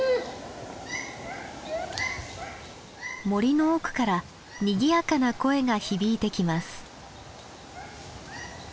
森の奥からにぎやかな声が響いてきます。